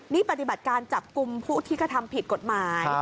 นี่ปฏิบัติการจับกลุ่มผู้ที่กระทำผิดกฎหมาย